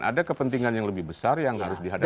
ada kepentingan yang lebih besar yang harus dihadapi